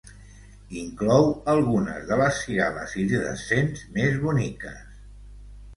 Inclou algunes de les cigales iridescents més boniques.